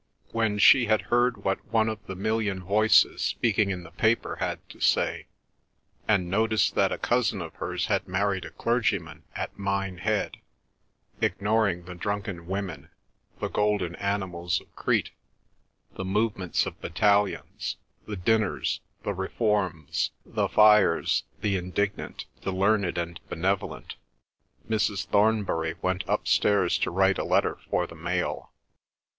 When she had heard what one of the million voices speaking in the paper had to say, and noticed that a cousin of hers had married a clergyman at Minehead—ignoring the drunken women, the golden animals of Crete, the movements of battalions, the dinners, the reforms, the fires, the indignant, the learned and benevolent, Mrs. Thornbury went upstairs to write a letter for the mail.